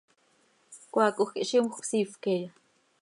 ¿Cmaacoj quih zímjöc siifp queeya?